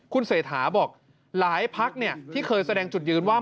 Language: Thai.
คุณเศรษฐาบอกหลายพักที่เคยแสดงจุดยืนว่า